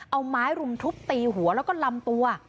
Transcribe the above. เอาไม้รุมทุบตีหัวแล้วก็ลำตัว